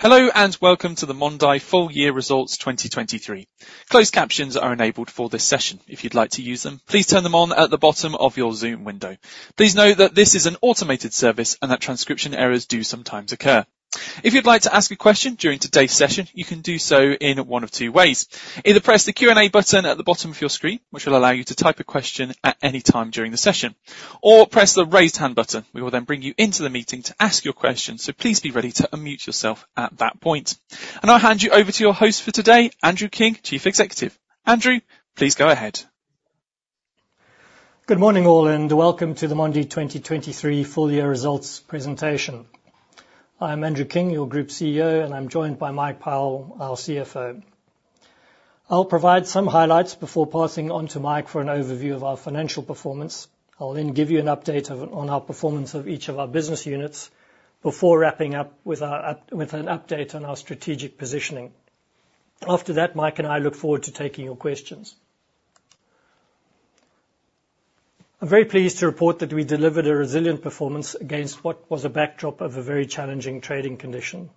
Hello and welcome to the Mondi Full Year Results 2023. Closed captions are enabled for this session. If you'd like to use them, please turn them on at the bottom of your Zoom window. Please note that this is an automated service and that transcription errors do sometimes occur. If you'd like to ask a question during today's session, you can do so in one of two ways. Either press the Q&A button at the bottom of your screen, which will allow you to type a question at any time during the session, or press the raised hand button. We will then bring you into the meeting to ask your question, so please be ready to unmute yourself at that point. I'll hand you over to your host for today, Andrew King, Chief Executive. Andrew, please go ahead. Good morning all and welcome to the Mondi 2023 Full Year Results presentation. I'm Andrew King, your Group CEO, and I'm joined by Mike Powell, our CFO. I'll provide some highlights before passing on to Mike for an overview of our financial performance. I'll then give you an update on our performance of each of our business units before wrapping up with an update on our strategic positioning. After that, Mike and I look forward to taking your questions. I'm very pleased to report that we delivered a resilient performance against what was a backdrop of a very challenging trading condition.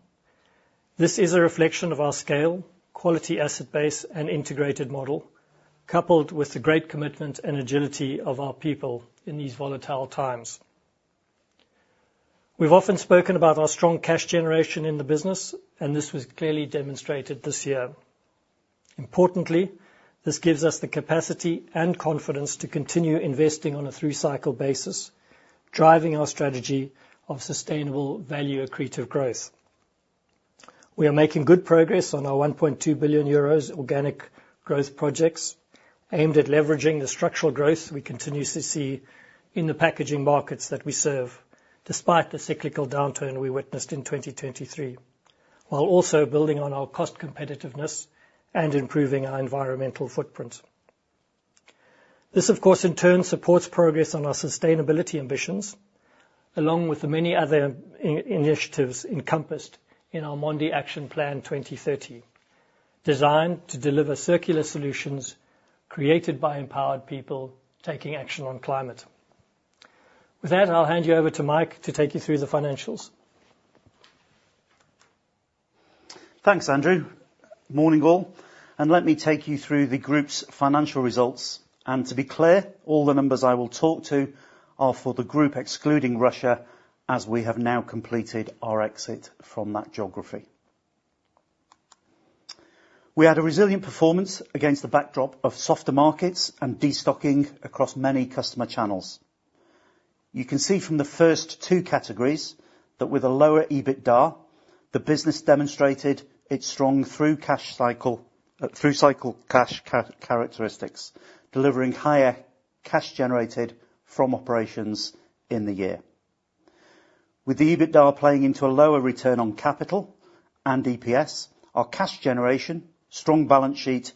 This is a reflection of our scale, quality asset base, and integrated model, coupled with the great commitment and agility of our people in these volatile times. We've often spoken about our strong cash generation in the business, and this was clearly demonstrated this year. Importantly, this gives us the capacity and confidence to continue investing on a three-cycle basis, driving our strategy of sustainable value accretive growth. We are making good progress on our 1.2 billion euros organic growth projects, aimed at leveraging the structural growth we continue to see in the packaging markets that we serve, despite the cyclical downturn we witnessed in 2023, while also building on our cost competitiveness and improving our environmental footprint. This, of course, in turn supports progress on our sustainability ambitions, along with the many other initiatives encompassed in our Mondi Action Plan 2030, designed to deliver circular solutions created by empowered people taking action on climate. With that, I'll hand you over to Mike to take you through the financials. Thanks, Andrew. Morning all. And let me take you through the group's financial results. And to be clear, all the numbers I will talk to are for the group excluding Russia as we have now completed our exit from that geography. We had a resilient performance against the backdrop of softer markets and destocking across many customer channels. You can see from the first two categories that with a lower EBITDA, the business demonstrated its strong through-cycle cash characteristics, delivering higher cash generated from operations in the year. With the EBITDA playing into a lower return on capital and EPS, our cash generation, strong balance sheet,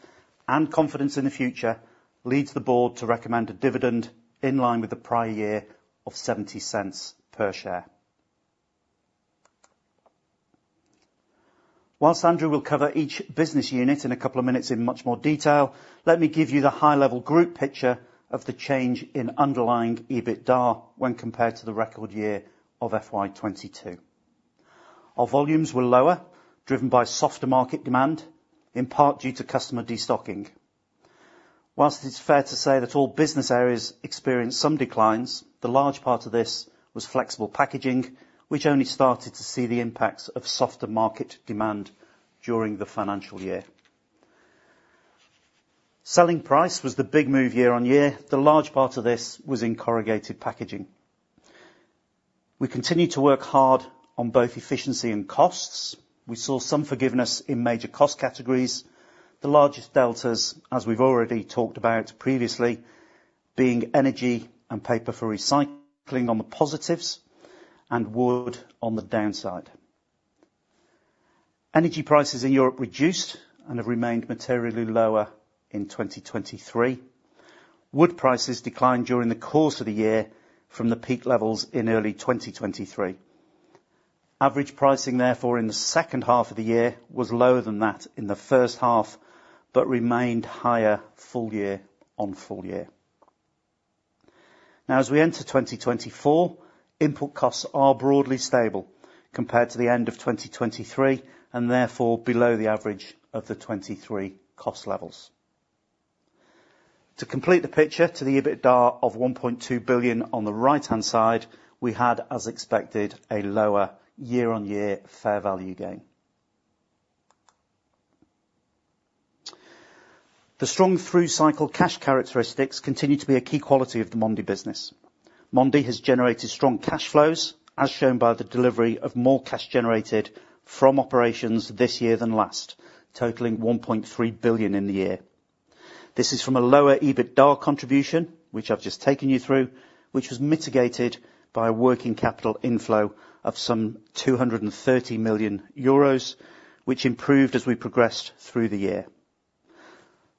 and confidence in the future leads the board to recommend a dividend in line with the prior year of 0.70 per share. While Andrew will cover each business unit in a couple of minutes in much more detail, let me give you the high-level group picture of the change in underlying EBITDA when compared to the record year of FY2022. Our volumes were lower, driven by softer market demand, in part due to customer destocking. While it's fair to say that all business areas experienced some declines, the large part of this was Flexible Packaging, which only started to see the impacts of softer market demand during the financial year. Selling price was the big move year-over-year. The large part of this was in Corrugated Packaging. We continued to work hard on both efficiency and costs. We saw some forgiveness in major cost categories, the largest deltas, as we've already talked about previously, being energy and paper for recycling on the positives and wood on the downside. Energy prices in Europe reduced and have remained materially lower in 2023. Wood prices declined during the course of the year from the peak levels in early 2023. Average pricing, therefore, in the second half of the year was lower than that in the first half but remained higher full year on full year. Now, as we enter 2024, input costs are broadly stable compared to the end of 2023 and therefore below the average of the 2023 cost levels. To complete the picture, to the EBITDA of 1.2 billion on the right-hand side, we had, as expected, a lower year-on-year fair value gain. The strong through-cycle cash characteristics continue to be a key quality of the Mondi business. Mondi has generated strong cash flows, as shown by the delivery of more cash generated from operations this year than last, totaling 1.3 billion in the year. This is from a lower EBITDA contribution, which I've just taken you through, which was mitigated by a working capital inflow of some 230 million euros, which improved as we progressed through the year.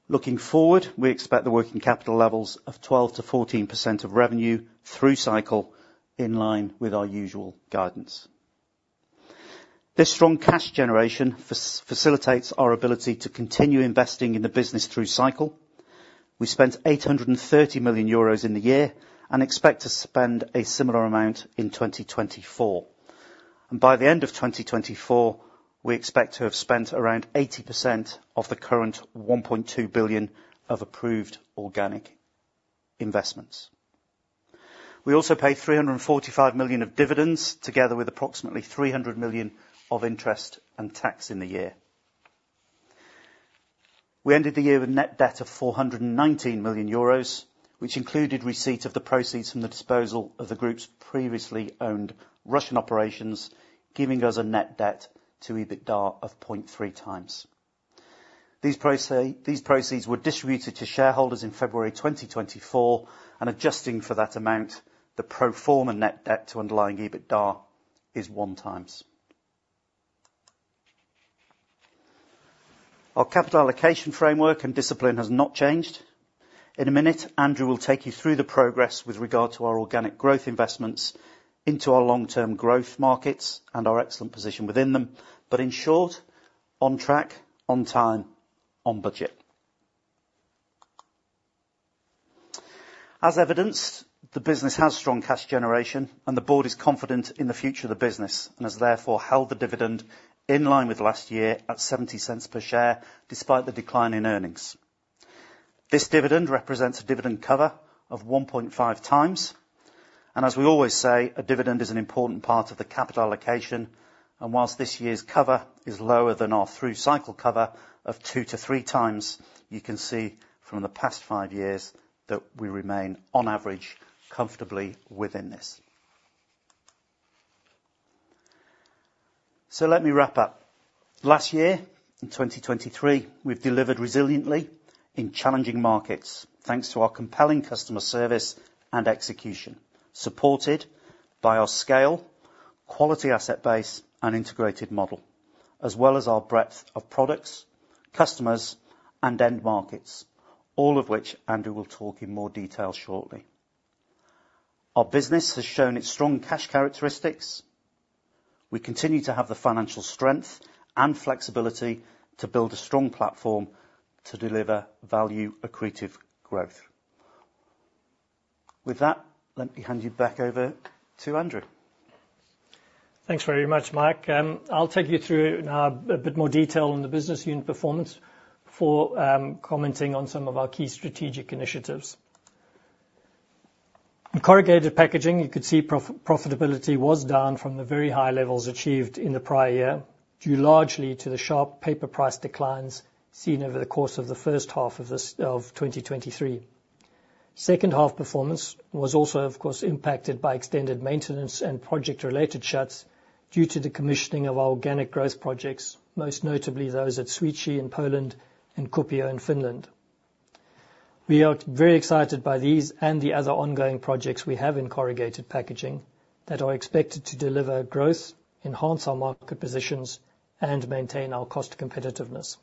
Looking forward, we expect the working capital levels of 12%-14% of revenue through-cycle in line with our usual guidance. This strong cash generation facilitates our ability to continue investing in the business through-cycle. We spent 830 million euros in the year and expect to spend a similar amount in 2024. By the end of 2024, we expect to have spent around 80% of the current 1.2 billion of approved organic investments. We also paid 345 million of dividends together with approximately 300 million of interest and tax in the year. We ended the year with net debt of 419 million euros, which included receipt of the proceeds from the disposal of the group's previously owned Russian operations, giving us a net debt to EBITDA of 0.3x. These proceeds were distributed to shareholders in February 2024, and adjusting for that amount, the pro forma net debt to underlying EBITDA is 1x. Our capital allocation framework and discipline has not changed. In a minute, Andrew will take you through the progress with regard to our organic growth investments into our long-term growth markets and our excellent position within them. But in short, on track, on time, on budget. As evidenced, the business has strong cash generation, and the board is confident in the future of the business and has therefore held the dividend in line with last year at 0.70 per share, despite the decline in earnings. This dividend represents a dividend cover of 1.5x. As we always say, a dividend is an important part of the capital allocation. While this year's cover is lower than our through-cycle cover of 2x-3x, you can see from the past five years that we remain, on average, comfortably within this. Let me wrap up. Last year, in 2023, we've delivered resiliently in challenging markets thanks to our compelling customer service and execution, supported by our scale, quality asset base, and integrated model, as well as our breadth of products, customers, and end markets, all of which Andrew will talk in more detail shortly. Our business has shown its strong cash characteristics. We continue to have the financial strength and flexibility to build a strong platform to deliver value accretive growth. With that, let me hand you back over to Andrew. Thanks very much, Mike. I'll take you through now a bit more detail on the business unit performance before commenting on some of our key strategic initiatives. In Corrugated Packaging, you could see profitability was down from the very high levels achieved in the prior year, due largely to the sharp paper price declines seen over the course of the first half of 2023. Second-half performance was also, of course, impacted by extended maintenance and project-related shuts due to the commissioning of organic growth projects, most notably those at Świecie in Poland and Kuopio in Finland. We are very excited by these and the other ongoing projects we have in Corrugated Packaging that are expected to deliver growth, enhance our market positions, and maintain our cost competitiveness.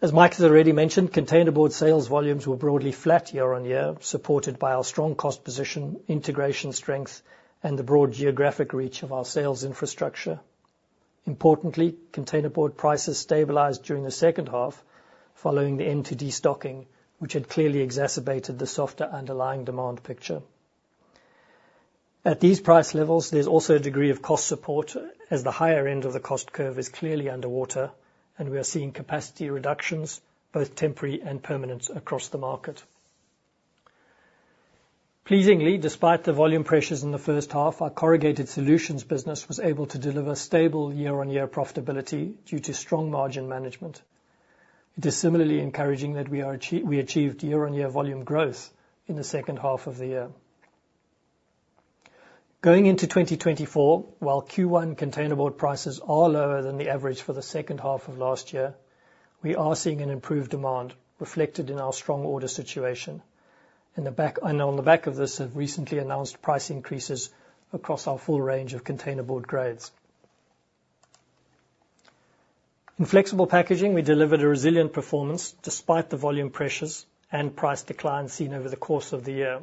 As Mike has already mentioned, containerboard sales volumes were broadly flat year-on-year, supported by our strong cost position, integration strength, and the broad geographic reach of our sales infrastructure. Importantly, containerboard prices stabilized during the second half following the end of destocking, which had clearly exacerbated the softer underlying demand picture. At these price levels, there's also a degree of cost support as the higher end of the cost curve is clearly underwater, and we are seeing capacity reductions, both temporary and permanent, across the market. Pleasingly, despite the volume pressures in the first half, our corrugated solutions business was able to deliver stable year-on-year profitability due to strong margin management. It is similarly encouraging that we achieved year-on-year volume growth in the second half of the year. Going into 2024, while Q1 containerboard prices are lower than the average for the second half of last year, we are seeing an improved demand reflected in our strong order situation. On the back of this, we have recently announced price increases across our full range of containerboard grades. In Flexible Packaging, we delivered a resilient performance despite the volume pressures and price decline seen over the course of the year.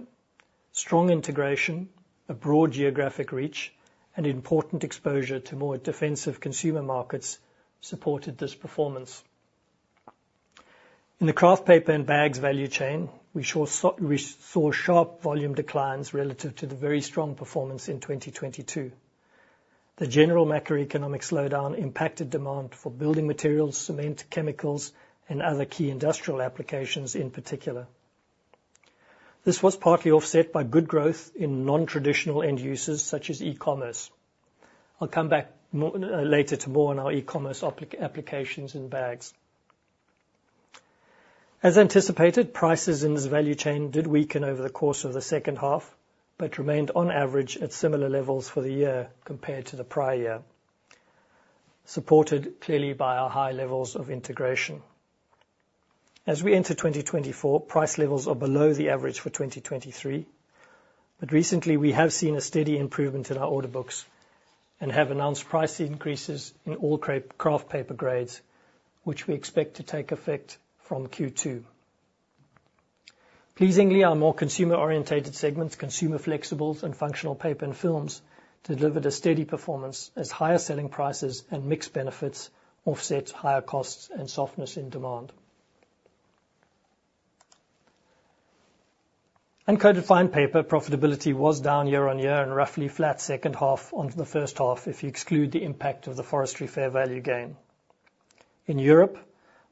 Strong integration, a broad geographic reach, and important exposure to more defensive consumer markets supported this performance. In the Kraft Paper and Bags value chain, we saw sharp volume declines relative to the very strong performance in 2022. The general macroeconomic slowdown impacted demand for building materials, cement, chemicals, and other key industrial applications in particular. This was partly offset by good growth in non-traditional end uses such as e-commerce. I'll come back later to more on our e-commerce applications in bags. As anticipated, prices in this value chain did weaken over the course of the second half but remained on average at similar levels for the year compared to the prior year, supported clearly by our high levels of integration. As we enter 2024, price levels are below the average for 2023. But recently, we have seen a steady improvement in our order books and have announced price increases in all Kraft Paper Grades, which we expect to take effect from Q2. Pleasingly, our more consumer-oriented segments, consumer flexibles and functional paper and films, delivered a steady performance as higher selling prices and mix benefits offset higher costs and softness in demand. Uncoated fine paper profitability was down year-on-year and roughly flat second half on to the first half if you exclude the impact of the forestry fair value gain. In Europe,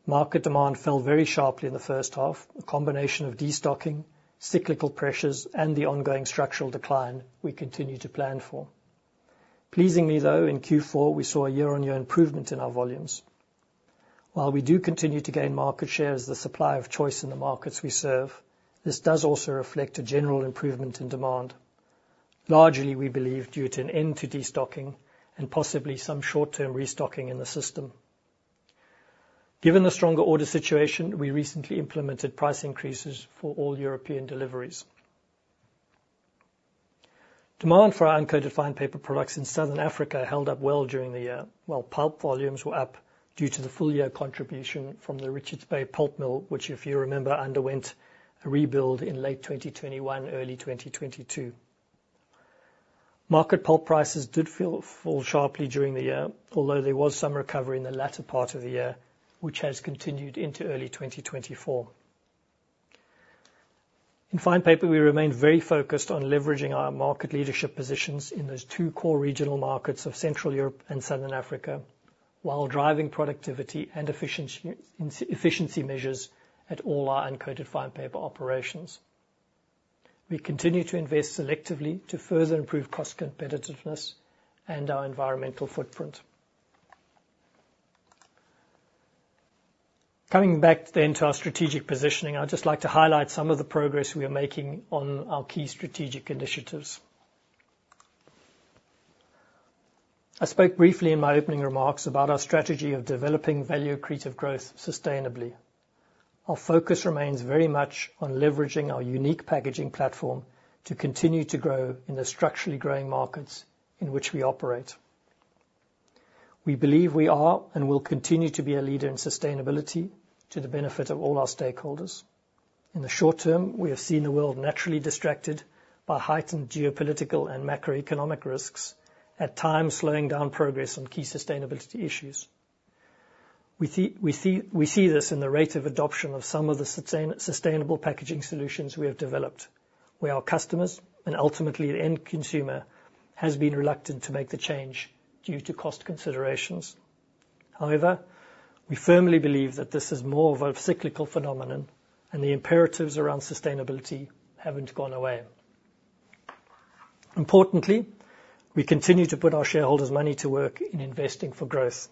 market demand fell very sharply in the first half, a combination of destocking, cyclical pressures, and the ongoing structural decline we continue to plan for. Pleasingly, though, in Q4, we saw a year-on-year improvement in our volumes. While we do continue to gain market share as the supply of choice in the markets we serve, this does also reflect a general improvement in demand, largely, we believe, due to an end-to-destocking and possibly some short-term restocking in the system. Given the stronger order situation, we recently implemented price increases for all European deliveries. Demand for our uncoated fine paper products in Southern Africa held up well during the year, while pulp volumes were up due to the full-year contribution from the Richards Bay Pulp Mill, which, if you remember, underwent a rebuild in late 2021, early 2022. Market pulp prices did fall sharply during the year, although there was some recovery in the latter part of the year, which has continued into early 2024. In fine paper, we remain very focused on leveraging our market leadership positions in those two core regional markets of Central Europe and Southern Africa while driving productivity and efficiency measures at all our uncoated fine paper operations. We continue to invest selectively to further improve cost competitiveness and our environmental footprint. Coming back then to our strategic positioning, I'd just like to highlight some of the progress we are making on our key strategic initiatives. I spoke briefly in my opening remarks about our strategy of developing value accretive growth sustainably. Our focus remains very much on leveraging our unique packaging platform to continue to grow in the structurally growing markets in which we operate. We believe we are and will continue to be a leader in sustainability to the benefit of all our stakeholders. In the short term, we have seen the world naturally distracted by heightened geopolitical and macroeconomic risks, at times slowing down progress on key sustainability issues. We see this in the rate of adoption of some of the sustainable packaging solutions we have developed, where our customers and ultimately the end consumer has been reluctant to make the change due to cost considerations. However, we firmly believe that this is more of a cyclical phenomenon, and the imperatives around sustainability haven't gone away. Importantly, we continue to put our shareholders' money to work in investing for growth.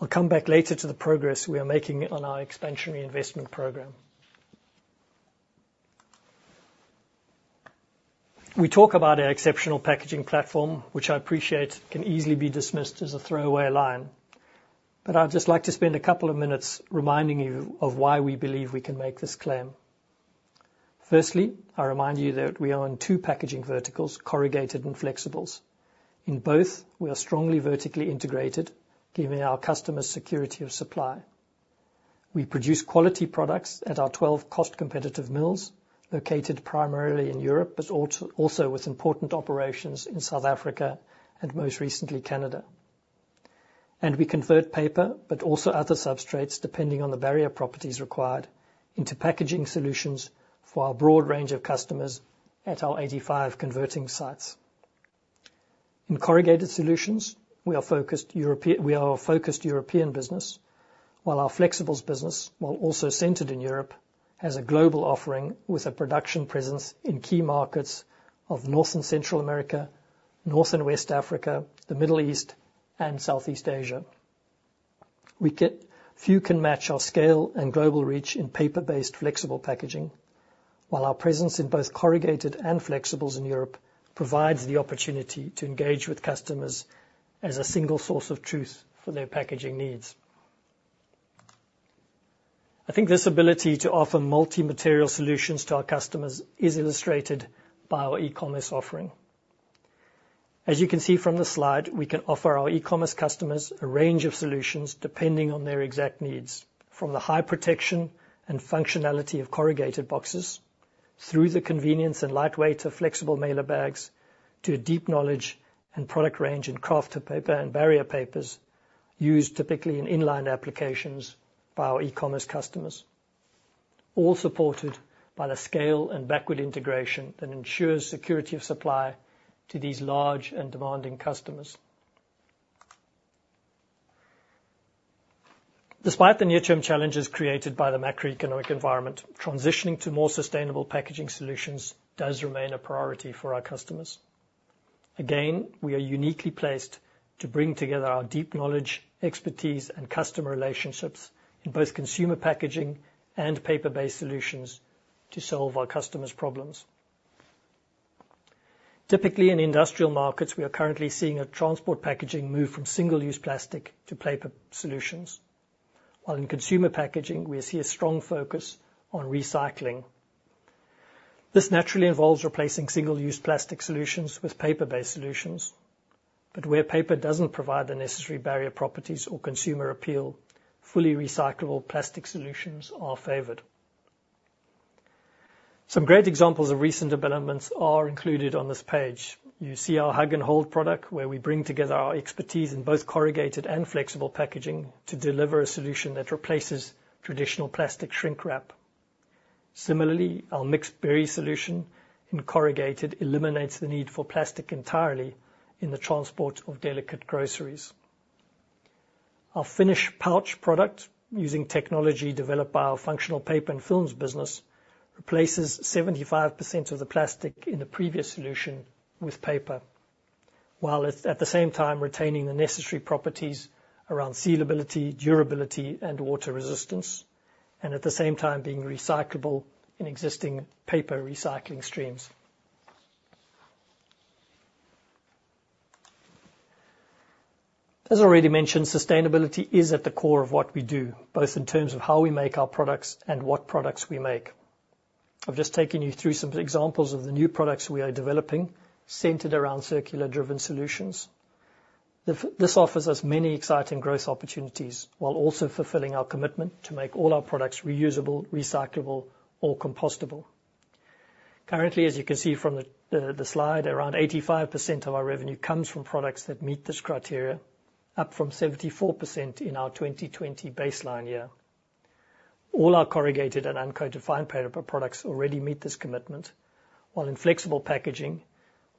I'll come back later to the progress we are making on our expansionary investment program. We talk about our exceptional packaging platform, which I appreciate can easily be dismissed as a throwaway line. But I'd just like to spend a couple of minutes reminding you of why we believe we can make this claim. Firstly, I remind you that we own two packaging verticals, corrugated and flexibles. In both, we are strongly vertically integrated, giving our customers security of supply. We produce quality products at our 12 cost competitive mills located primarily in Europe, but also with important operations in South Africa and most recently Canada. We convert paper but also other substrates, depending on the barrier properties required, into packaging solutions for our broad range of customers at our 85 converting sites. In corrugated solutions, we are a focused European business, while our flexibles business, while also centered in Europe, has a global offering with a production presence in key markets of North and Central America, North and West Africa, the Middle East, and Southeast Asia. Few can match our scale and global reach in paper-based Flexible Packaging, while our presence in both corrugated and flexibles in Europe provides the opportunity to engage with customers as a single source of truth for their packaging needs. I think this ability to offer multi-material solutions to our customers is illustrated by our e-commerce offering. As you can see from the slide, we can offer our e-commerce customers a range of solutions depending on their exact needs, from the high protection and functionality of corrugated boxes, through the convenience and lightweight of flexible mailer bags, to a deep knowledge and product range in Kraft Paper and Barrier Papers used typically in inline applications by our e-commerce customers, all supported by the scale and backward integration that ensures security of supply to these large and demanding customers. Despite the near-term challenges created by the macroeconomic environment, transitioning to more sustainable packaging solutions does remain a priority for our customers. Again, we are uniquely placed to bring together our deep knowledge, expertise, and customer relationships in both consumer packaging and paper-based solutions to solve our customers' problems. Typically, in industrial markets, we are currently seeing transport packaging move from single-use plastic to paper solutions, while in consumer packaging, we see a strong focus on recycling. This naturally involves replacing single-use plastic solutions with paper-based solutions. But where paper doesn't provide the necessary barrier properties or consumer appeal, fully recyclable plastic solutions are favored. Some great examples of recent developments are included on this page. You see our Hug&Hold product, where we bring together our expertise in both corrugated and Flexible Packaging to deliver a solution that replaces traditional plastic shrink wrap. Similarly, our mixed berry solution in corrugated eliminates the need for plastic entirely in the transport of delicate groceries. Our finished pouch product, using technology developed by our functional paper and films business, replaces 75% of the plastic in the previous solution with paper, while at the same time retaining the necessary properties around sealability, durability, and water resistance, and at the same time being recyclable in existing paper recycling streams. As already mentioned, sustainability is at the core of what we do, both in terms of how we make our products and what products we make. I've just taken you through some examples of the new products we are developing centered around circular-driven solutions. This offers us many exciting growth opportunities while also fulfilling our commitment to make all our products reusable, recyclable, or compostable. Currently, as you can see from the slide, around 85% of our revenue comes from products that meet this criteria, up from 74% in our 2020 baseline year. All our corrugated and uncoated fine paper products already meet this commitment, while in Flexible Packaging,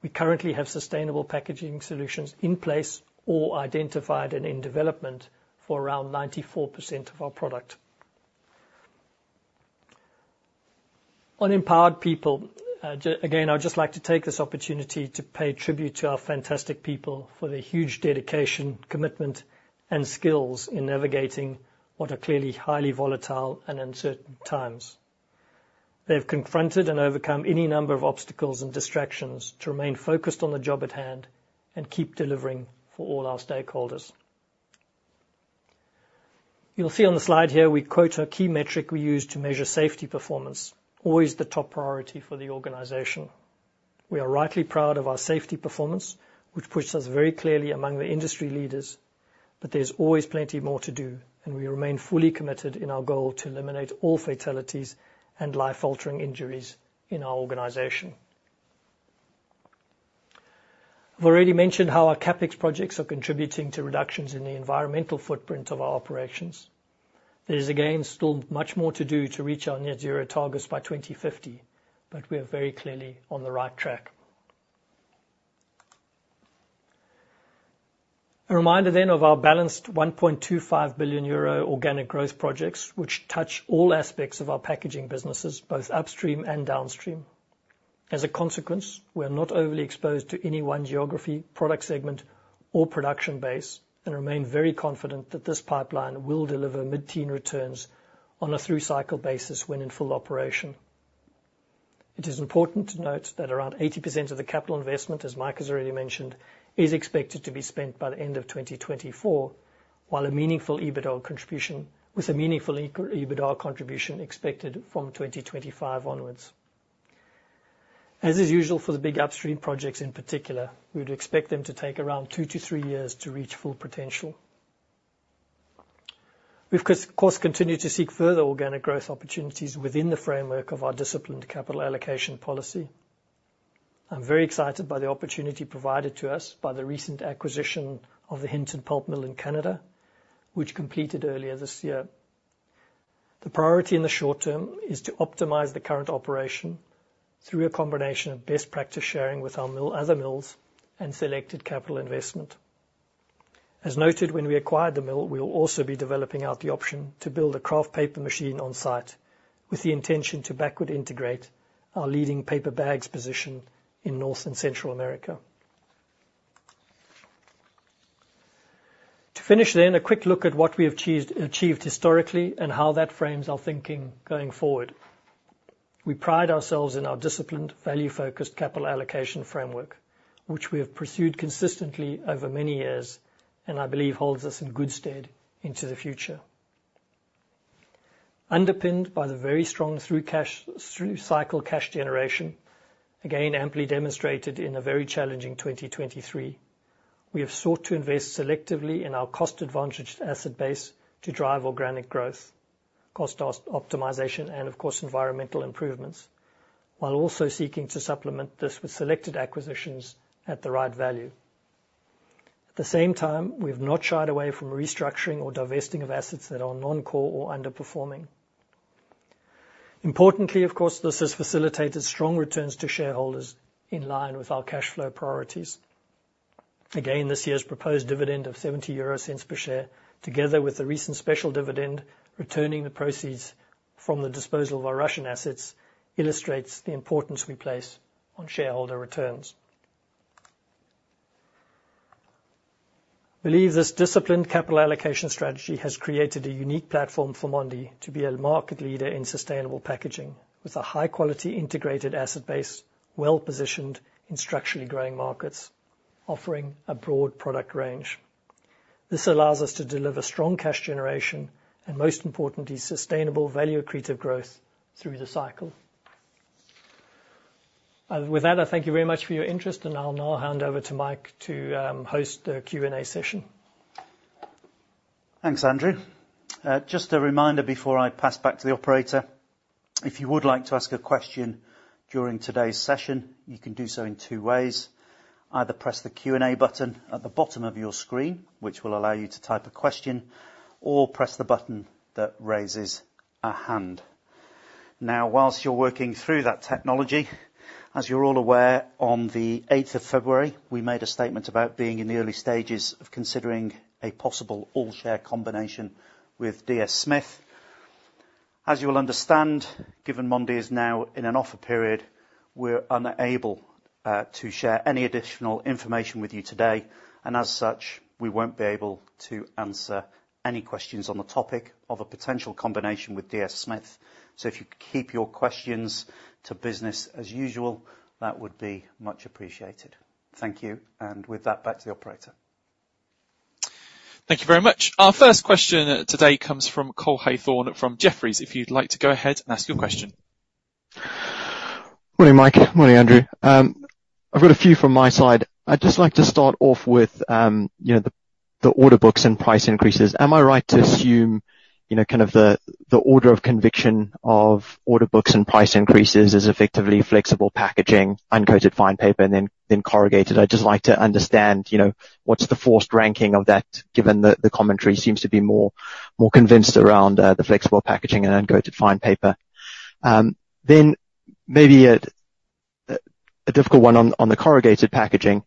we currently have sustainable packaging solutions in place or identified and in development for around 94% of our product. On empowered people, again, I'd just like to take this opportunity to pay tribute to our fantastic people for their huge dedication, commitment, and skills in navigating what are clearly highly volatile and uncertain times. They've confronted and overcome any number of obstacles and distractions to remain focused on the job at hand and keep delivering for all our stakeholders. You'll see on the slide here, we quote a key metric we use to measure safety performance, always the top priority for the organization. We are rightly proud of our safety performance, which pushes us very clearly among the industry leaders. But there's always plenty more to do, and we remain fully committed in our goal to eliminate all fatalities and life-altering injuries in our organization. I've already mentioned how our CapEx projects are contributing to reductions in the environmental footprint of our operations. There is, again, still much more to do to reach our net-zero targets by 2050, but we are very clearly on the right track. A reminder then of our balanced 1.25 billion euro organic growth projects, which touch all aspects of our packaging businesses, both upstream and downstream. As a consequence, we are not overly exposed to any one geography, product segment, or production base and remain very confident that this pipeline will deliver mid-teens returns on a through-cycle basis when in full operation. It is important to note that around 80% of the capital investment, as Mike has already mentioned, is expected to be spent by the end of 2024, while a meaningful EBITDA contribution is expected from 2025 onwards. As is usual for the big upstream projects in particular, we would expect them to take around two to three years to reach full potential. We've, of course, continued to seek further organic growth opportunities within the framework of our disciplined capital allocation policy. I'm very excited by the opportunity provided to us by the recent acquisition of the Hinton Pulp Mill in Canada, which completed earlier this year. The priority in the short term is to optimize the current operation through a combination of best practice sharing with our other mills and selected capital investment. As noted, when we acquired the mill, we will also be developing out the option to build a Kraft Paper machine on-site with the intention to backward integrate our leading paper bags position in North and Central America. To finish then, a quick look at what we have achieved historically and how that frames our thinking going forward. We pride ourselves in our disciplined, value-focused capital allocation framework, which we have pursued consistently over many years and I believe holds us in good stead into the future. Underpinned by the very strong through-cycle cash generation, again amply demonstrated in a very challenging 2023, we have sought to invest selectively in our cost-advantaged asset base to drive organic growth, cost optimization, and, of course, environmental improvements, while also seeking to supplement this with selected acquisitions at the right value. At the same time, we've not shied away from restructuring or divesting of assets that are non-core or underperforming. Importantly, of course, this has facilitated strong returns to shareholders in line with our cash flow priorities. Again, this year's proposed dividend of 0.70 per share, together with the recent special dividend returning the proceeds from the disposal of our Russian assets, illustrates the importance we place on shareholder returns. I believe this disciplined capital allocation strategy has created a unique platform for Mondi to be a market leader in sustainable packaging with a high-quality integrated asset base, well-positioned in structurally growing markets, offering a broad product range. This allows us to deliver strong cash generation and, most importantly, sustainable value accretive growth through the cycle. With that, I thank you very much for your interest, and I'll now hand over to Mike to host the Q&A session. Thanks, Andrew. Just a reminder before I pass back to the operator, if you would like to ask a question during today's session, you can do so in two ways. Either press the Q&A button at the bottom of your screen, which will allow you to type a question, or press the button that raises a hand. Now, whilst you're working through that technology, as you're all aware, on the February 8th, we made a statement about being in the early stages of considering a possible all-share combination with DS Smith. As you will understand, given Mondi is now in an offer period, we're unable to share any additional information with you today, and as such, we won't be able to answer any questions on the topic of a potential combination with DS Smith. So if you could keep your questions to business as usual, that would be much appreciated. Thank you. With that, back to the operator. Thank you very much. Our first question today comes from Cole Hathorn from Jefferies. If you'd like to go ahead and ask your question. Morning, Mike. Morning, Andrew. I've got a few from my side. I'd just like to start off with the order books and price increases. Am I right to assume kind of the order of conviction of order books and price increases is effectively Flexible Packaging, uncoated fine paper, and then corrugated? I'd just like to understand what's the forced ranking of that, given that the commentary seems to be more convinced around the Flexible Packaging and uncoated fine paper. Then maybe a difficult one on the Corrugated Packaging.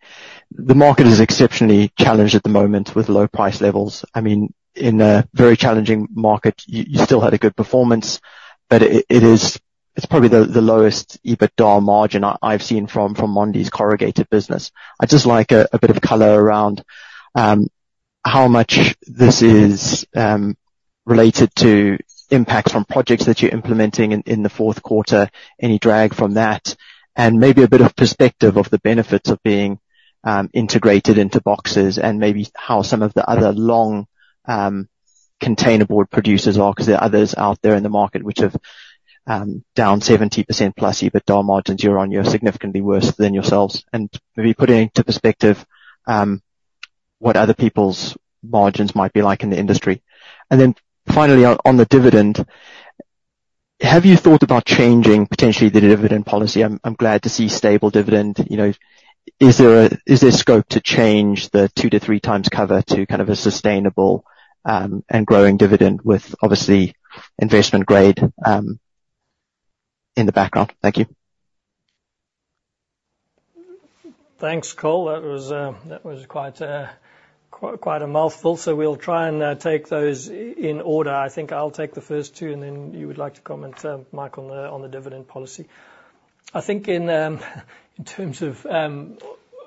The market is exceptionally challenged at the moment with low price levels. I mean, in a very challenging market, you still had a good performance, but it's probably the lowest EBITDA margin I've seen from Mondi's corrugated business. I'd just like a bit of color around how much this is related to impacts from projects that you're implementing in the fourth quarter, any drag from that, and maybe a bit of perspective of the benefits of being integrated into boxes and maybe how some of the other containerboard producers are, because there are others out there in the market which have down 70%+ EBITDA margins, you're on your significantly worse than yourselves, and maybe putting into perspective what other people's margins might be like in the industry. And then finally, on the dividend, have you thought about changing potentially the dividend policy? I'm glad to see stable dividend. Is there scope to change the 2x-3 xcover to kind of a sustainable and growing dividend with, obviously, investment grade in the background? Thank you. Thanks, Cole. That was quite a mouthful, so we'll try and take those in order. I think I'll take the first two, and then you would like to comment, Mike, on the dividend policy. I think in terms of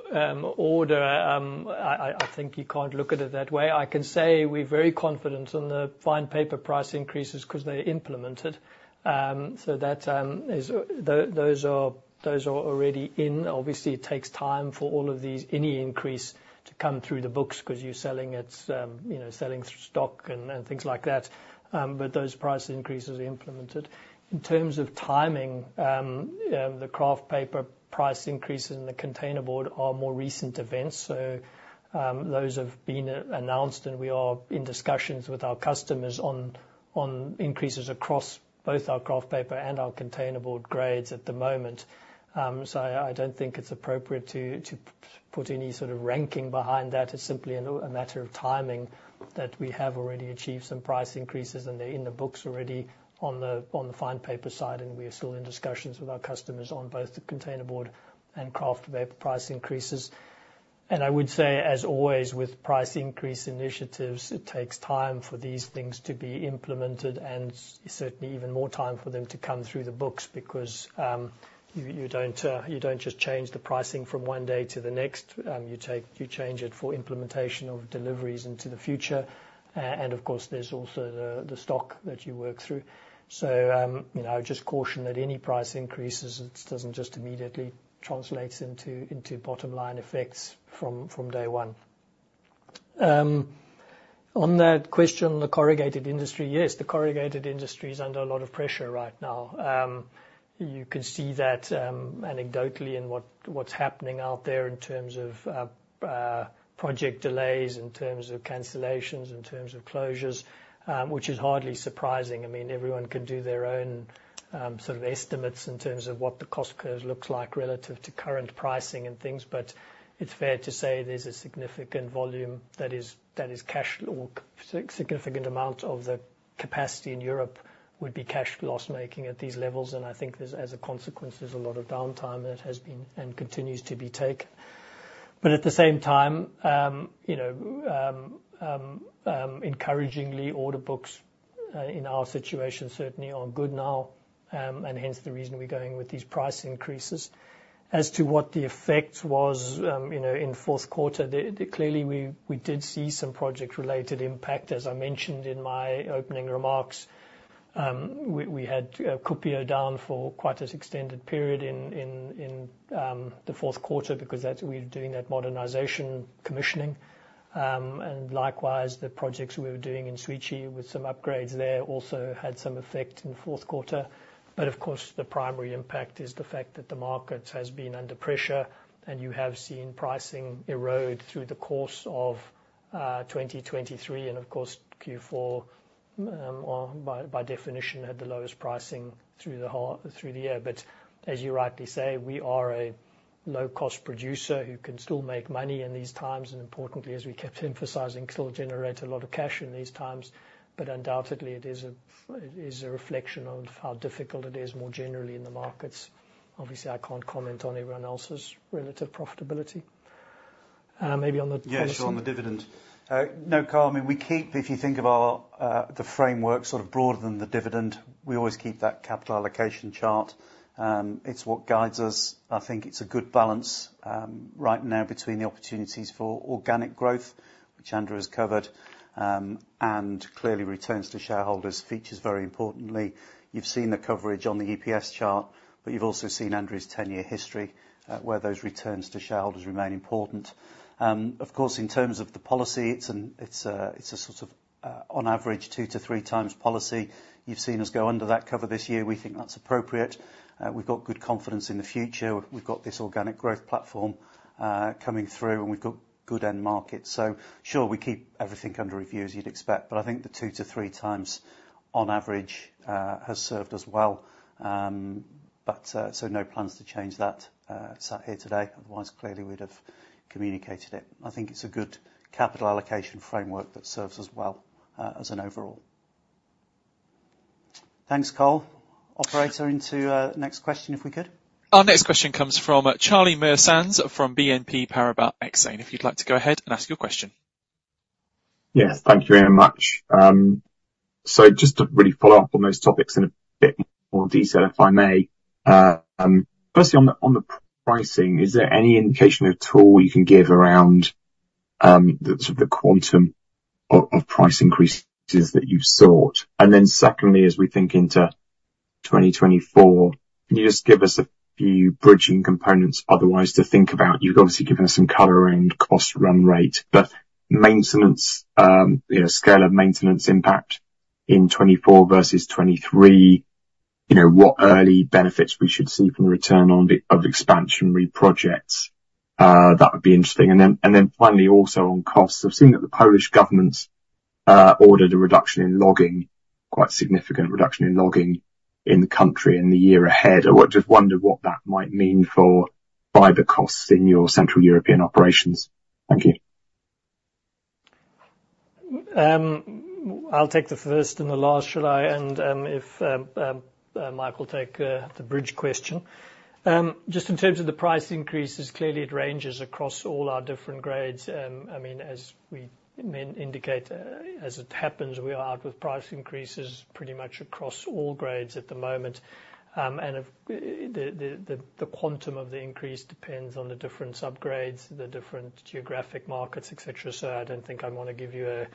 order, I think you can't look at it that way. I can say we're very confident in the fine paper price increases because they're implemented. So those are already in. Obviously, it takes time for any increase to come through the books because you're selling stock and things like that. But those price increases are implemented. In terms of timing, the Kraft Paper price increases in the containerboard are more recent events, so those have been announced, and we are in discussions with our customers on increases across both our Kraft Paper and our containerboard grades at the moment. So I don't think it's appropriate to put any sort of ranking behind that. It's simply a matter of timing that we have already achieved some price increases, and they're in the books already on the fine paper side, and we are still in discussions with our customers on both the containerboard and Kraft Paper price increases. And I would say, as always, with price increase initiatives, it takes time for these things to be implemented and certainly even more time for them to come through the books because you don't just change the pricing from one day to the next. You change it for implementation of deliveries into the future, and of course, there's also the stock that you work through. So I would just caution that any price increases, it doesn't just immediately translate into bottom-line effects from day one. On that question on the corrugated industry, yes, the corrugated industry is under a lot of pressure right now. You can see that anecdotally in what's happening out there in terms of project delays, in terms of cancellations, in terms of closures, which is hardly surprising. I mean, everyone can do their own sort of estimates in terms of what the cost curve looks like relative to current pricing and things, but it's fair to say there's a significant volume that is cash or a significant amount of the capacity in Europe would be cash loss-making at these levels, and I think there's, as a consequence, a lot of downtime that has been and continues to be taken. But at the same time, encouragingly, order books in our situation certainly are good now, and hence the reason we're going with these price increases. As to what the effect was in fourth quarter, clearly we did see some project-related impact. As I mentioned in my opening remarks, we had Kuopio down for quite an extended period in the fourth quarter because we were doing that modernisation commissioning, and likewise, the projects we were doing in Świecie with some upgrades there also had some effect in fourth quarter. But of course, the primary impact is the fact that the market has been under pressure, and you have seen pricing erode through the course of 2023, and of course, Q4, by definition, had the lowest pricing through the year. But as you rightly say, we are a low-cost producer who can still make money in these times, and importantly, as we kept emphasising, still generate a lot of cash in these times. Undoubtedly, it is a reflection of how difficult it is more generally in the markets. Obviously, I can't comment on everyone else's relative profitability. Maybe on the question. Yeah, sure, on the dividend. No, Cole, we keep, if you think of the framework sort of broader than the dividend, we always keep that capital allocation chart. It's what guides us. I think it's a good balance right now between the opportunities for organic growth, which Andrew has covered, and clearly returns to shareholders features very importantly. You've seen the coverage on the EPS chart, but you've also seen Andrew's 10-year history where those returns to shareholders remain important. Of course, in terms of the policy, it's a sort of on-average 2x-3x policy. You've seen us go under that cover this year. We think that's appropriate. We've got good confidence in the future. We've got this organic growth platform coming through, and we've got good end markets. So, sure, we keep everything under review as you'd expect, but I think the 2x-3x on average has served as well. So no plans to change that sat here today. Otherwise, clearly we'd have communicated it. I think it's a good capital allocation framework that serves as well as an overall. Thanks, Cole. Operator, into next question if we could. Our next question comes from Charlie Muir-Sands from BNP Paribas Exane. If you'd like to go ahead and ask your question. Yes, thank you very much. So just to really follow up on those topics in a bit more detail, if I may. Firstly, on the pricing, is there any indication at all you can give around the sort of the quantum of price increases that you've sought? And then secondly, as we think into 2024, can you just give us a few bridging components otherwise to think about? You've obviously given us some color around cost run rate, but scale of maintenance impact in 2024 versus 2023, what early benefits we should see from the return of expansionary projects, that would be interesting. And then finally, also on costs, I've seen that the Polish government's ordered a reduction in logging, quite significant reduction in logging in the country in the year ahead. I just wonder what that might mean for fiber costs in your Central European operations. Thank you. I'll take the first and the last, shall I? And if Mike will take the bridge question. Just in terms of the price increases, clearly it ranges across all our different grades. I mean, as we indicate, as it happens, we are out with price increases pretty much across all grades at the moment. And the quantum of the increase depends on the different subgrades, the different geographic markets, etc. So I don't think I want to give you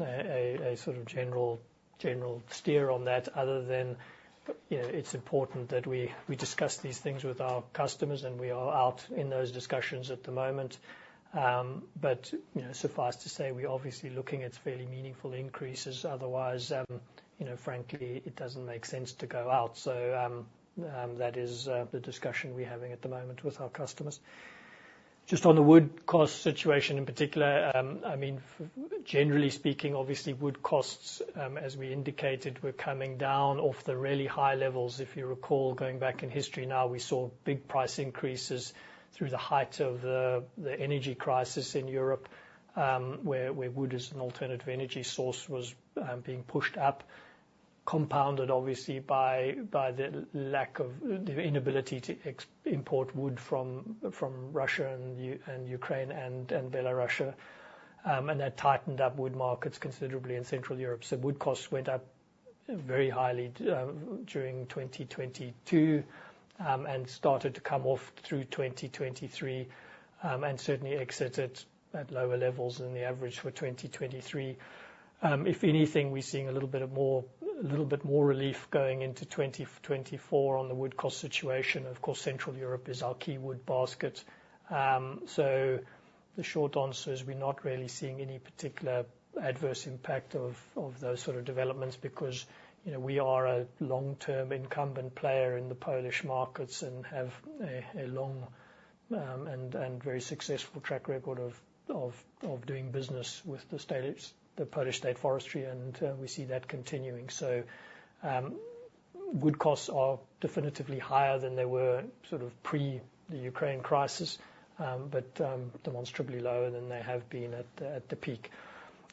a sort of general steer on that other than it's important that we discuss these things with our customers, and we are out in those discussions at the moment. But suffice to say, we're obviously looking at fairly meaningful increases. Otherwise, frankly, it doesn't make sense to go out. So that is the discussion we're having at the moment with our customers. Just on the wood cost situation in particular, I mean, generally speaking, obviously, wood costs, as we indicated, were coming down off the really high levels. If you recall, going back in history now, we saw big price increases through the height of the energy crisis in Europe, where wood as an alternative energy source was being pushed up, compounded, obviously, by the inability to import wood from Russia and Ukraine and Belarus. That tightened up wood markets considerably in Central Europe. Wood costs went up very highly during 2022 and started to come off through 2023 and certainly exited at lower levels than the average for 2023. If anything, we're seeing a little bit more relief going into 2024 on the wood cost situation. Of course, Central Europe is our key wood basket. So the short answer is we're not really seeing any particular adverse impact of those sort of developments because we are a long-term incumbent player in the Polish markets and have a long and very successful track record of doing business with the Polish State Forestry, and we see that continuing. So wood costs are definitively higher than they were sort of pre the Ukraine crisis, but demonstrably lower than they have been at the peak.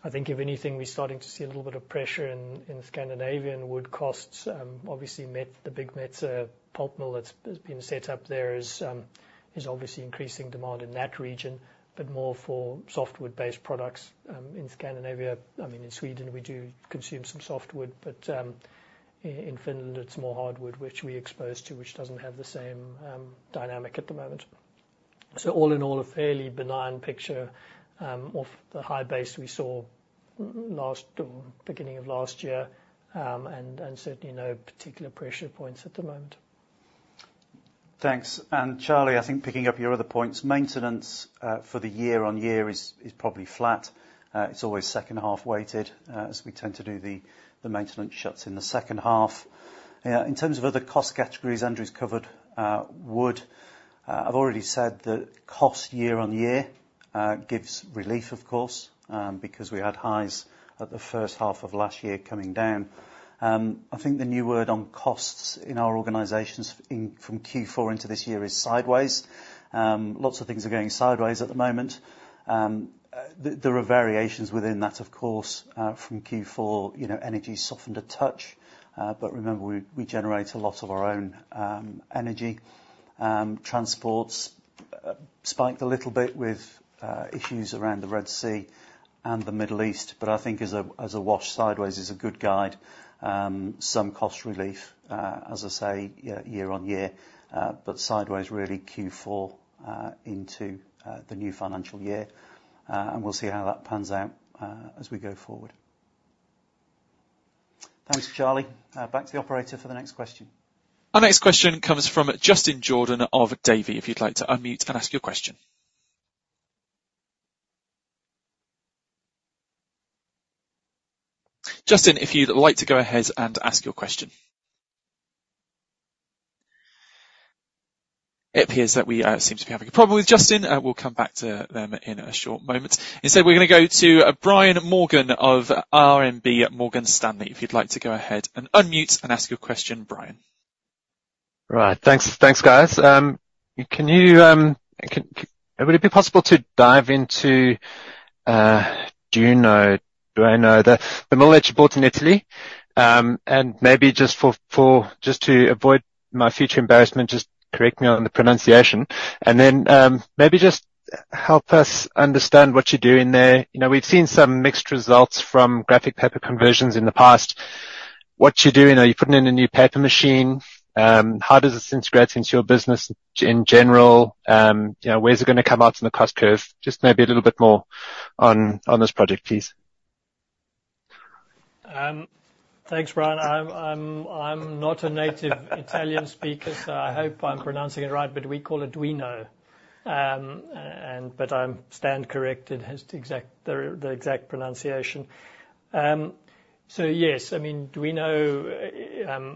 I think if anything, we're starting to see a little bit of pressure in Scandinavia, and wood costs obviously with the big Metsä pulp mill that's been set up there is obviously increasing demand in that region, but more for softwood-based products. In Scandinavia, I mean, in Sweden, we do consume some softwood, but in Finland, it's more hardwood, which we're exposed to, which doesn't have the same dynamic at the moment. All in all, a fairly benign picture of the high base we saw beginning of last year and certainly no particular pressure points at the moment. Thanks. And Charlie, I think picking up your other points, maintenance for the year-on-year is probably flat. It's always second-half weighted, as we tend to do the maintenance shuts in the second half. In terms of other cost categories, Andrew's covered wood. I've already said that cost year-on-year gives relief, of course, because we had highs at the first half of last year coming down. I think the new word on costs in our organizations from Q4 into this year is sideways. Lots of things are going sideways at the moment. There are variations within that, of course, from Q4. Energy's softened a touch, but remember, we generate a lot of our own energy. Transports spiked a little bit with issues around the Red Sea and the Middle East, but I think as a wash, sideways is a good guide. Some cost relief, as I say, year-on-year, but sideways really Q4 into the new financial year. And we'll see how that pans out as we go forward. Thanks, Charlie. Back to the operator for the next question. Our next question comes from Justin Jordan of Davy, if you'd like to unmute and ask your question. Justin, if you'd like to go ahead and ask your question. It appears that we seem to be having a problem with Justin. We'll come back to them in a short moment. Instead, we're going to go to Brian Morgan of RMB Morgan Stanley. If you'd like to go ahead and unmute and ask your question, Brian. Right. Thanks, guys. Would it be possible to dive into Duino? Do I know the Mondi board in Italy? Maybe just to avoid my future embarrassment, just correct me on the pronunciation. Then maybe just help us understand what you're doing there. We've seen some mixed results from graphic paper conversions in the past. What you're doing, are you putting in a new paper machine? How does this integrate into your business in general? Where's it going to come out in the cost curve? Just maybe a little bit more on this project, please. Thanks, Brian. I'm not a native Italian speaker, so I hope I'm pronouncing it right, but we call it Duino. But I'll stand corrected as to the exact pronunciation. So yes, I mean, Duino,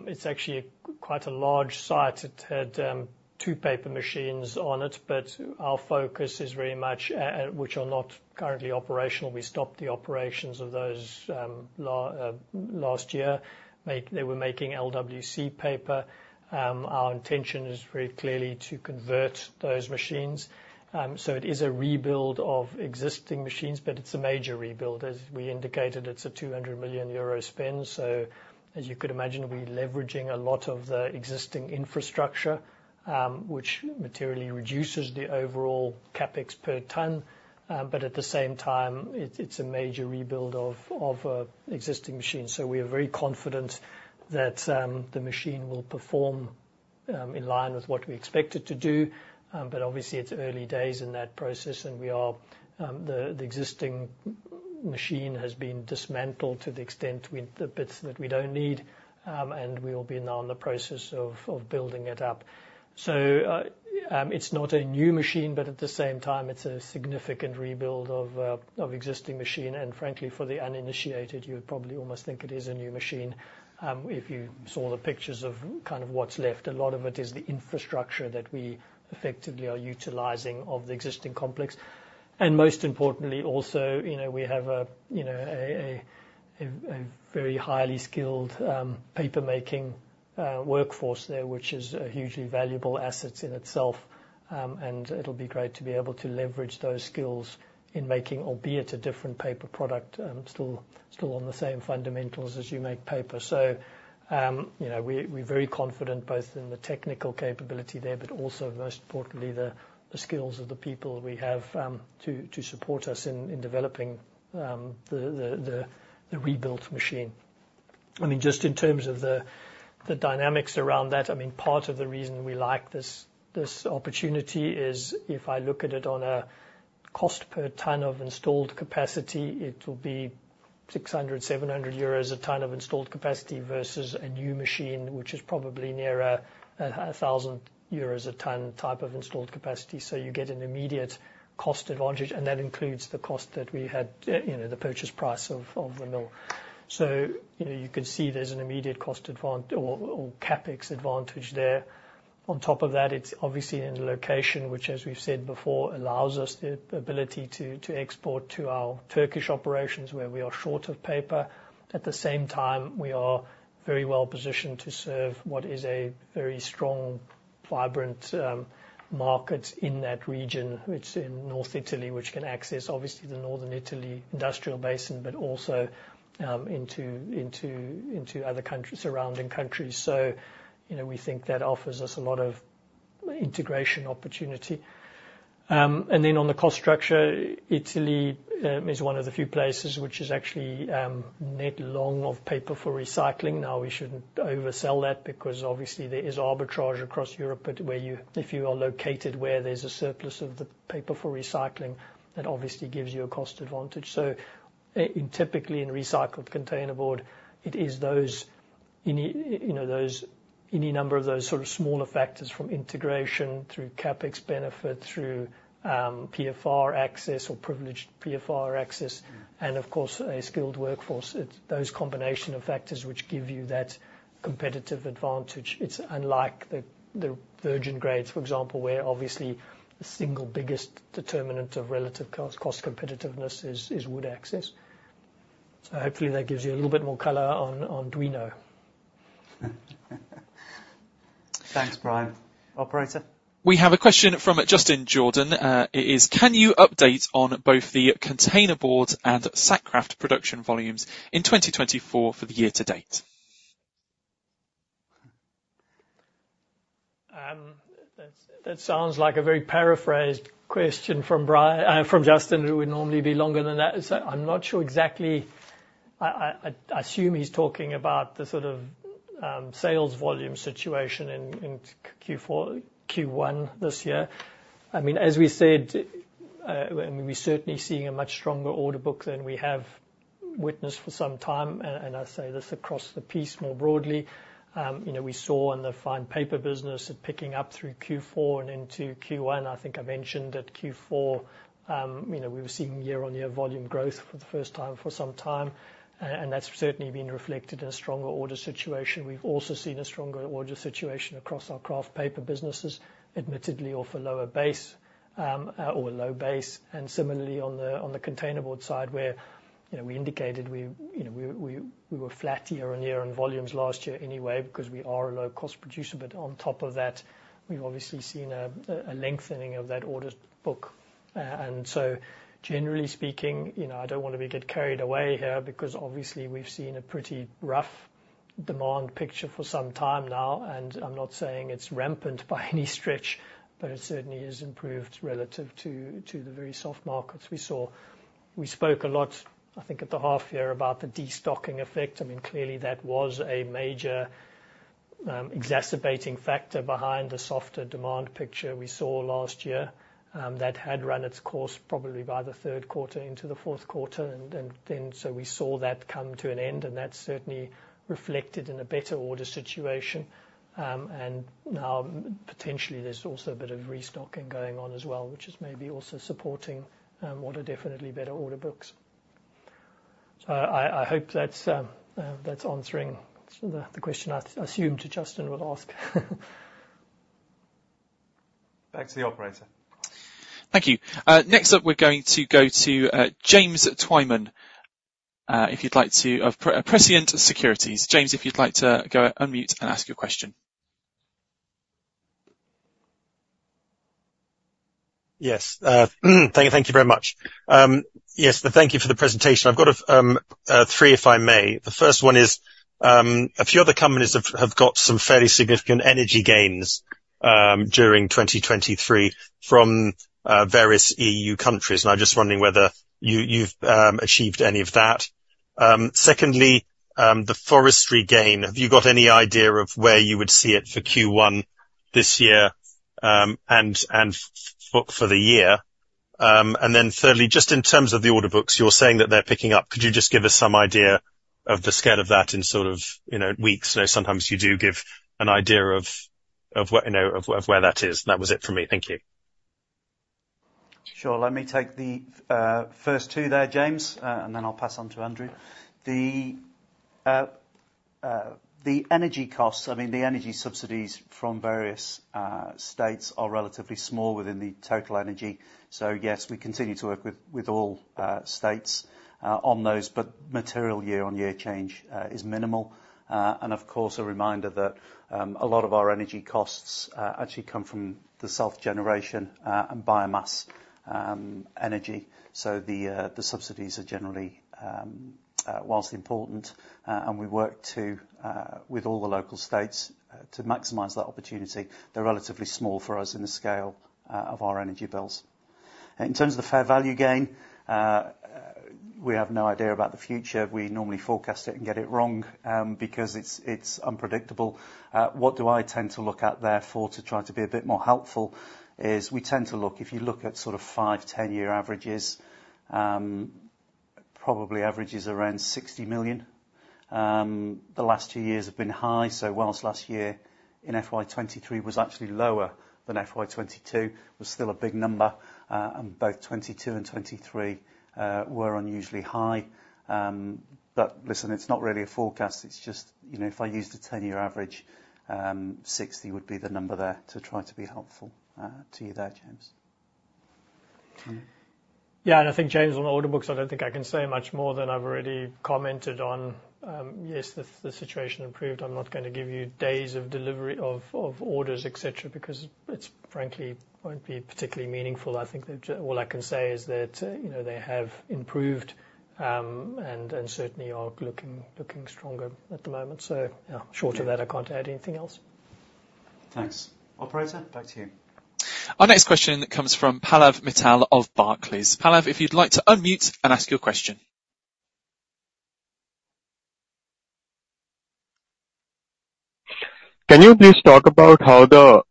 it's actually quite a large site. It had two paper machines on it, but our focus is very much which are not currently operational. We stopped the operations of those last year. They were making LWC paper. Our intention is very clearly to convert those machines. So it is a rebuild of existing machines, but it's a major rebuild. As we indicated, it's a 200 million euro spend. So as you could imagine, we're leveraging a lot of the existing infrastructure, which materially reduces the overall CapEx per ton. But at the same time, it's a major rebuild of existing machines. So we are very confident that the machine will perform in line with what we expect it to do. But obviously, it's early days in that process, and the existing machine has been dismantled to the extent the bits that we don't need, and we will be now in the process of building it up. So it's not a new machine, but at the same time, it's a significant rebuild of existing machine. And frankly, for the uninitiated, you would probably almost think it is a new machine if you saw the pictures of kind of what's left. A lot of it is the infrastructure that we effectively are utilizing of the existing complex. And most importantly, also, we have a very highly skilled papermaking workforce there, which is a hugely valuable asset in itself. It'll be great to be able to leverage those skills in making, albeit a different paper product, still on the same fundamentals as you make paper. So we're very confident both in the technical capability there, but also, most importantly, the skills of the people we have to support us in developing the rebuilt machine. I mean, just in terms of the dynamics around that, I mean, part of the reason we like this opportunity is if I look at it on a cost per ton of installed capacity, it will be 600-700 euros a ton of installed capacity versus a new machine, which is probably nearer 1,000 euros a ton type of installed capacity. So you can see there's an immediate cost advantage, and that includes the cost that we had, the purchase price of the mill. So you can see there's an immediate cost advantage or CapEx advantage there. On top of that, it's obviously in the location, which, as we've said before, allows us the ability to export to our Turkish operations where we are short of paper. At the same time, we are very well positioned to serve what is a very strong, vibrant market in that region. It's in northern Italy, which can access, obviously, the northern Italy industrial basin, but also into other surrounding countries. So we think that offers us a lot of integration opportunity. And then on the cost structure, Italy is one of the few places which is actually net long of paper for recycling. Now, we shouldn't oversell that because, obviously, there is arbitrage across Europe, but if you are located where there's a surplus of the paper for recycling, that obviously gives you a cost advantage. So typically, in recycled container board, it is any number of those sort of smaller factors from integration through CapEx benefit, through PFR access or privileged PFR access, and of course, a skilled workforce. It's those combination of factors which give you that competitive advantage. It's unlike the virgin grades, for example, where obviously, the single biggest determinant of relative cost competitiveness is wood access. So hopefully, that gives you a little bit more color on Duino. Thanks, Brian. Operator? We have a question from Justin Jordan. It is, "Can you update on both the containerboard and Sackcraft production volumes in 2024 for the year to date? That sounds like a very paraphrased question from Justin, who would normally be longer than that. So I'm not sure exactly. I assume he's talking about the sort of sales volume situation in Q1 this year. I mean, as we said, I mean, we're certainly seeing a much stronger order book than we have witnessed for some time. And I say this across the piece more broadly. We saw in the fine paper business it picking up through Q4 and into Q1. I think I mentioned that Q4, we were seeing year-on-year volume growth for the first time for some time. And that's certainly been reflected in a stronger order situation. We've also seen a stronger order situation across our Kraft Paper businesses, admittedly off a lower base or low base. And similarly, on the containerboard side, where we indicated we were flat year-on-year in volumes last year anyway because we are a low-cost producer, but on top of that, we've obviously seen a lengthening of that order book. So generally speaking, I don't want to get carried away here because obviously, we've seen a pretty rough demand picture for some time now. And I'm not saying it's rampant by any stretch, but it certainly has improved relative to the very soft markets we saw. We spoke a lot, I think, at the half-year about the destocking effect. I mean, clearly, that was a major exacerbating factor behind the softer demand picture we saw last year. That had run its course probably by the third quarter into the fourth quarter. So we saw that come to an end, and that's certainly reflected in a better order situation. Now, potentially, there's also a bit of restocking going on as well, which is maybe also supporting what are definitely better order books. I hope that's answering the question I assumed Justin would ask. Back to the operator. Thank you. Next up, we're going to go to James Twyman from Prescient Securities. James, if you'd like to go unmute and ask your question. Yes. Thank you very much. Yes, thank you for the presentation. I've got three, if I may. The first one is a few other companies have got some fairly significant energy gains during 2023 from various EU countries. I'm just wondering whether you've achieved any of that. Secondly, the forestry gain, have you got any idea of where you would see it for Q1 this year and for the year? Then thirdly, just in terms of the order books, you're saying that they're picking up. Could you just give us some idea of the scale of that in sort of weeks? Sometimes you do give an idea of where that is. That was it from me. Thank you. Sure. Let me take the first two there, James, and then I'll pass on to Andrew. The energy costs, I mean, the energy subsidies from various states are relatively small within the total energy. So yes, we continue to work with all states on those, but material year-on-year change is minimal. And of course, a reminder that a lot of our energy costs actually come from the self-generation and biomass energy. So the subsidies are generally while important, and we work with all the local states to maximize that opportunity, they're relatively small for us in the scale of our energy bills. In terms of the fair value gain, we have no idea about the future. We normally forecast it and get it wrong because it's unpredictable. What do I tend to look at therefore to try to be a bit more helpful is we tend to look if you look at sort of five, 10-year averages, probably averages around 60 million. The last two years have been high. So while last year in FY2023 was actually lower than FY2022, was still a big number, and both 2022 and 2023 were unusually high. But listen, it's not really a forecast. It's just if I used a 10-year average, 60 million would be the number there to try to be helpful to you there, James. Yeah. I think, James, on order books, I don't think I can say much more than I've already commented on. Yes, the situation improved. I'm not going to give you days of delivery of orders, etc., because it frankly won't be particularly meaningful. I think all I can say is that they have improved and certainly are looking stronger at the moment. So yeah, short of that, I can't add anything else. Thanks. Operator, back to you. Our next question comes from Pallav Mittal of Barclays. Palllav, if you'd like to unmute and ask your question. Can you please talk about how the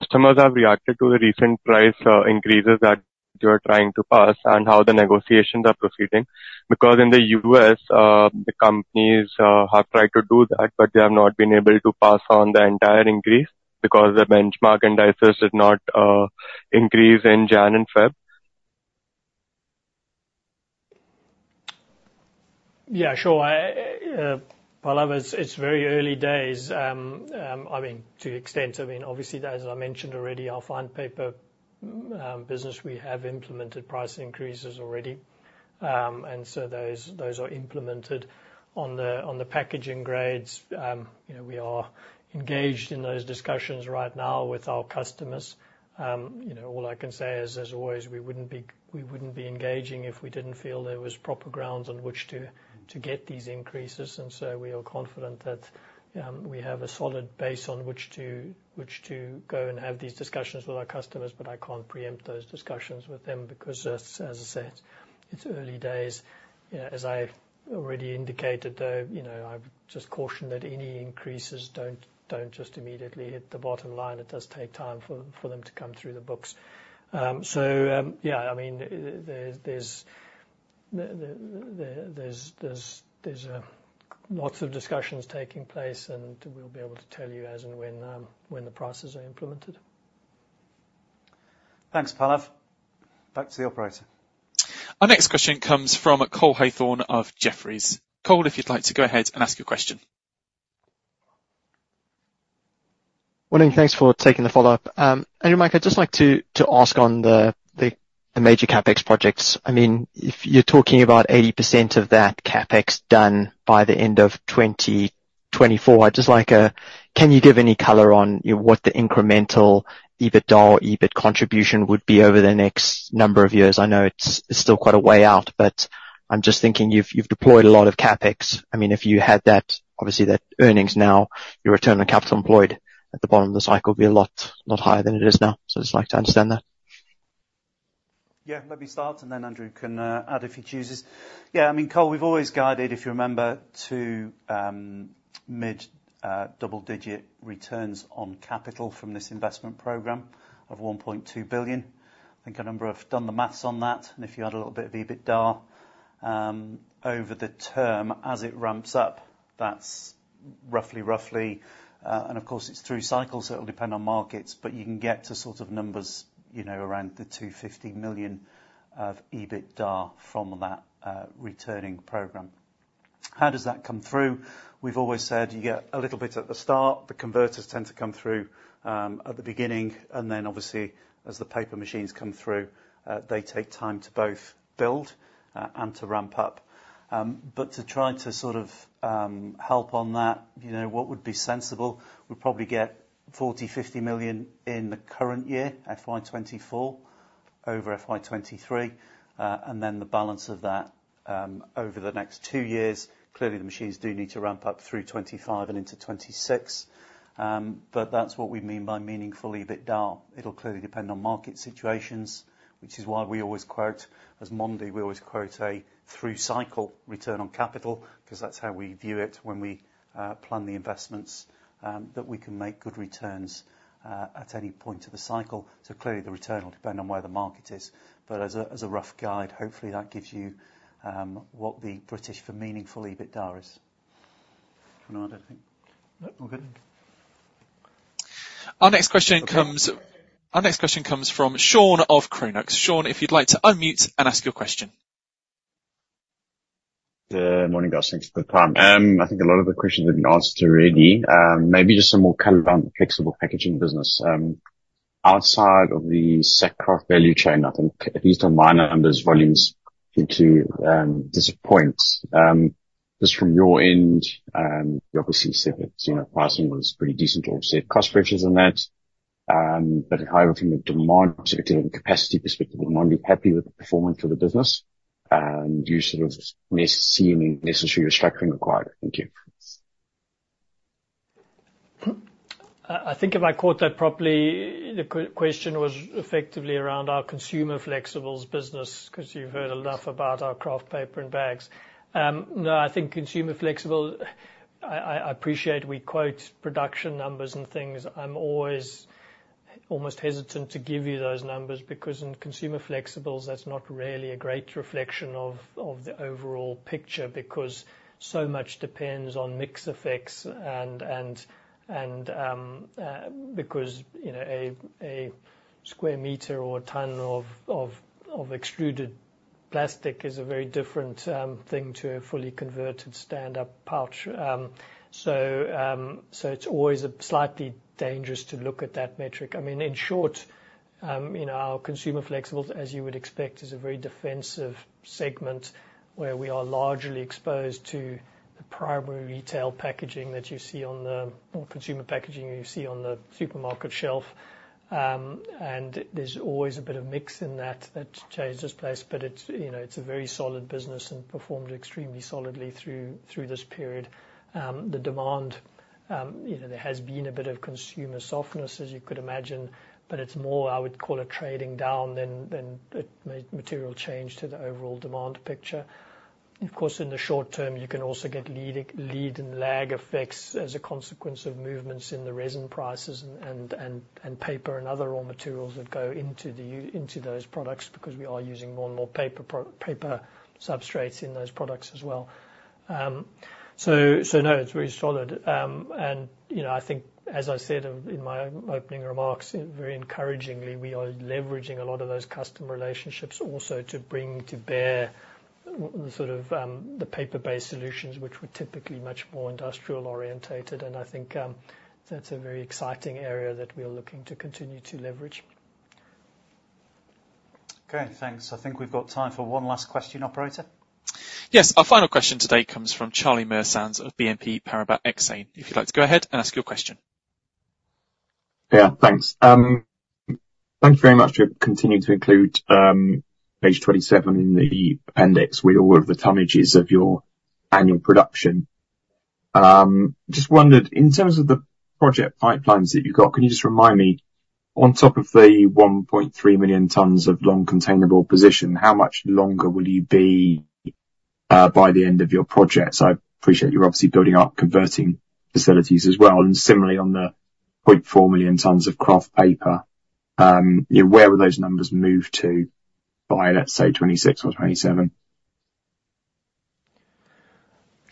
customers have reacted to the recent price increases that you are trying to pass and how the negotiations are proceeding? Because in the US, the companies have tried to do that, but they have not been able to pass on the entire increase because the benchmark indices did not increase in January and February. Yeah, sure. Pallav, it's very early days. I mean, to the extent, I mean, obviously, as I mentioned already, our fine paper business, we have implemented price increases already. And so those are implemented on the packaging grades. We are engaged in those discussions right now with our customers. All I can say is, as always, we wouldn't be engaging if we didn't feel there was proper grounds on which to get these increases. And so we are confident that we have a solid base on which to go and have these discussions with our customers, but I can't preempt those discussions with them because, as I said, it's early days. As I already indicated, though, I've just cautioned that any increases don't just immediately hit the bottom line. It does take time for them to come through the books. So yeah, I mean, there's lots of discussions taking place, and we'll be able to tell you as and when the prices are implemented. Thanks, Pallav. Back to the operator. Our next question comes from Cole Hathorn of Jefferies. Cole, if you'd like to go ahead and ask your question. Morning. Thanks for taking the follow-up. Andrew, Mike, I'd just like to ask on the major CapEx projects. I mean, if you're talking about 80% of that CapEx done by the end of 2024, I'd just like, can you give any color on what the incremental EBITDA or EBIT contribution would be over the next number of years? I know it's still quite a way out, but I'm just thinking you've deployed a lot of CapEx. I mean, if you had that, obviously, that earnings now, your return on capital employed at the bottom of the cycle would be a lot higher than it is now. So I'd just like to understand that. Yeah. Let me start, and then Andrew can add if he chooses. Yeah, I mean, Cole, we've always guided, if you remember, to mid-double-digit returns on capital from this investment program of 1.2 billion. I think a number have done the math on that. And if you add a little bit of EBITDA over the term as it ramps up, that's roughly, roughly and of course, it's through cycles, so it'll depend on markets, but you can get to sort of numbers around the 250 million of EBITDA from that returning program. How does that come through? We've always said you get a little bit at the start. The converters tend to come through at the beginning. And then obviously, as the paper machines come through, they take time to both build and to ramp up. But to try to sort of help on that, what would be sensible? We'd probably get 40 million-50 million in the current year, FY2024, over FY2023, and then the balance of that over the next two years. Clearly, the machines do need to ramp up through 2025 and into 2026. But that's what we mean by meaningful EBITDA. It'll clearly depend on market situations, which is why we always quote as Mondi, we always quote a through-cycle return on capital because that's how we view it when we plan the investments, that we can make good returns at any point of the cycle. So clearly, the return will depend on where the market is. But as a rough guide, hopefully, that gives you what the basis for meaningful EBITDA is. Anyone, I don't think? Nope. We're good. Our next question comes from Sean of Chronux. Shaun, if you'd like to unmute and ask your question. Morning, guys. Thanks for the time. I think a lot of the questions have been answered already. Maybe just some more color on the Flexible Packaging business. Outside of the Sackcraft value chain, I think at least on my numbers, volumes seem to disappoint. Just from your end, you obviously said that pricing was pretty decent to observe cost pressures in that. But however, from a demand perspective and capacity perspective, you might be happy with the performance of the business. And you sort of see any necessary restructuring required. Thank you. I think if I quote that properly, the question was effectively around our consumer flexibles business because you've heard enough about our Kraft Paper and Bags. No, I think consumer flexibles I appreciate we quote production numbers and things. I'm always almost hesitant to give you those numbers because in consumer flexibles, that's not really a great reflection of the overall picture because so much depends on mix effects and because a square meter or a ton of extruded plastic is a very different thing to a fully converted stand-up pouch. So it's always slightly dangerous to look at that metric. I mean, in short, our consumer flexibles, as you would expect, is a very defensive segment where we are largely exposed to the primary retail packaging that you see on the or consumer packaging you see on the supermarket shelf. There's always a bit of mix in that that changes place. But it's a very solid business and performed extremely solidly through this period. The demand, there has been a bit of consumer softness, as you could imagine, but it's more, I would call it, trading down than material change to the overall demand picture. Of course, in the short term, you can also get lead and lag effects as a consequence of movements in the resin prices and paper and other raw materials that go into those products because we are using more and more paper substrates in those products as well. So no, it's very solid. And I think, as I said in my opening remarks, very encouragingly, we are leveraging a lot of those customer relationships also to bring to bear sort of the paper-based solutions, which were typically much more industrial-oriented. I think that's a very exciting area that we are looking to continue to leverage. Okay. Thanks. I think we've got time for one last question, operator. Yes. Our final question today comes from Charlie Muir-Sands of BNP Paribas Exane. If you'd like to go ahead and ask your question. Yeah. Thanks. Thank you very much for continuing to include page 27 in the appendix with all of the tonnages of your annual production. Just wondered, in terms of the project pipelines that you've got, can you just remind me, on top of the 1.3 million tons of long containerboard position, how much longer will you be by the end of your projects? I appreciate you're obviously building up converting facilities as well. And similarly, on the 0.4 million tons of Kraft Paper, where will those numbers move to by, let's say, 2026 or 2027?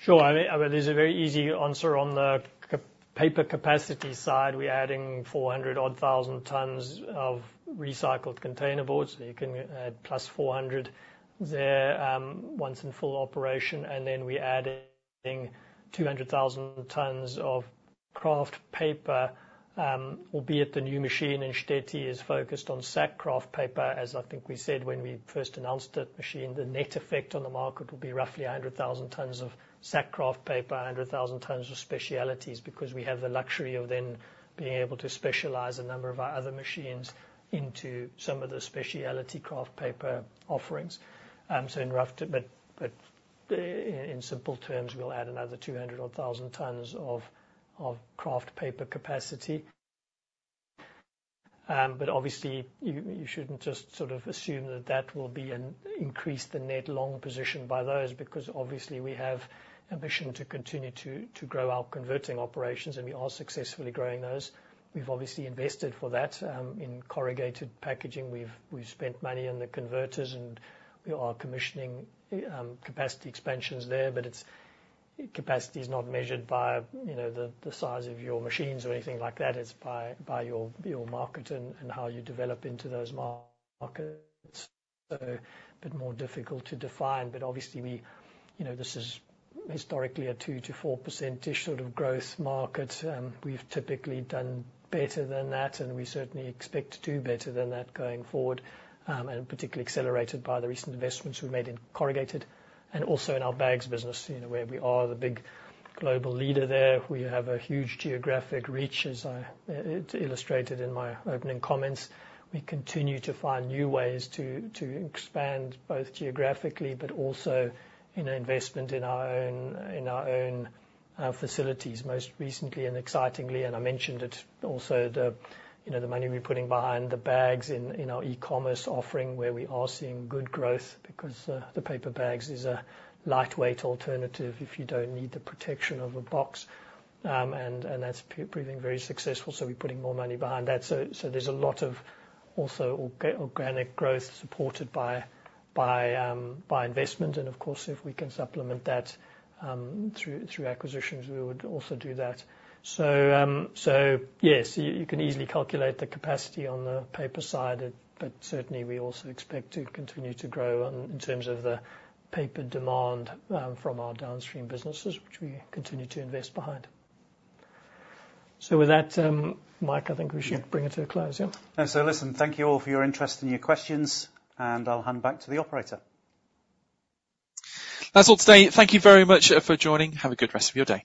Sure. I mean, there's a very easy answer. On the paper capacity side, we're adding 400,000+ tons of recycled containerboard. So you can add plus 400 there once in full operation. And then we're adding 200,000 tons of Kraft Paper, albeit the new machine in Świecie is focused on Sackcraft paper, as I think we said when we first announced it, machine. The net effect on the market will be roughly 100,000 tons of Sackcraft paper, 100,000 tons of specialties because we have the luxury of then being able to specialize a number of our other machines into some of the specialty Kraft Paper offerings. So in simple terms, we'll add another 200,000+ tons of Kraft Paper capacity. Obviously, you shouldn't just sort of assume that that will increase the net long position by those because obviously, we have ambition to continue to grow our converting operations, and we are successfully growing those. We've obviously invested for that in Corrugated Packaging. We've spent money on the converters, and we are commissioning capacity expansions there. But capacity is not measured by the size of your machines or anything like that. It's by your market and how you develop into those markets. So a bit more difficult to define. But obviously, this is historically a 2%-4% sort of growth market. We've typically done better than that, and we certainly expect to do better than that going forward, and particularly accelerated by the recent investments we've made in corrugated and also in our bags business where we are the big global leader there. We have a huge geographic reach, as I illustrated in my opening comments. We continue to find new ways to expand both geographically but also in investment in our own facilities. Most recently and excitingly, and I mentioned it also, the money we're putting behind the bags in our e-commerce offering where we are seeing good growth because the paper bags is a lightweight alternative if you don't need the protection of a box. That's proving very successful. We're putting more money behind that. There's a lot of also organic growth supported by investment. Of course, if we can supplement that through acquisitions, we would also do that. Yes, you can easily calculate the capacity on the paper side, but certainly, we also expect to continue to grow in terms of the paper demand from our downstream businesses, which we continue to invest behind. So with that, Mike, I think we should bring it to a close. Yeah? Yeah. So, listen, thank you all for your interest and your questions. And I'll hand back to the operator. That's all today. Thank you very much for joining. Have a good rest of your day.